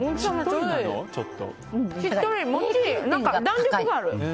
弾力がある！